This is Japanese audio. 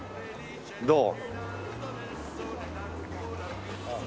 どう？